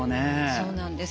そうなんです。